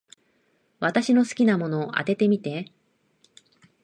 私の好きなもの、当ててみて。